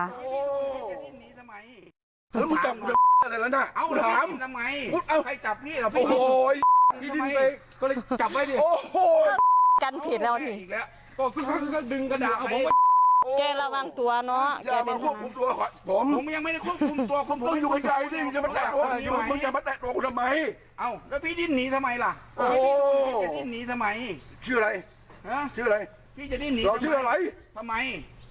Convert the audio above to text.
ทำไมครับทำไมถ้าพี่ไม่ใช่ผมถามว่าใช่พี่ไหมเนี่ยพี่จะดิ้นหนีทำไม